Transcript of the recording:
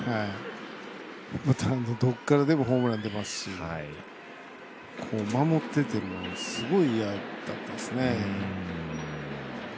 どこからでもホームラン出ますし守っててもすごい嫌だったですね。